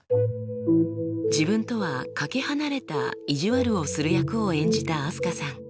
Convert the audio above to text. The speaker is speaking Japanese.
自分とはかけ離れた意地悪をする役を演じたあすかさん。